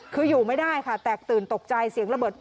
คืออยู่ไม่ได้ค่ะแตกตื่นตกใจเสียงระเบิด